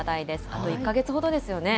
あと１か月ほどですよね。